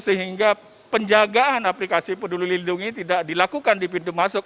sehingga penjagaan aplikasi peduli lindungi tidak dilakukan di pintu masuk